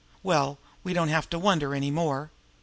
Well, we don't have to wonder any more.